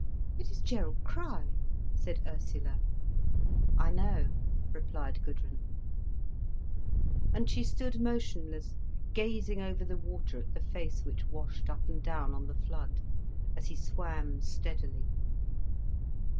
"It is Gerald Crich," said Ursula. "I know," replied Gudrun. And she stood motionless gazing over the water at the face which washed up and down on the flood, as he swam steadily.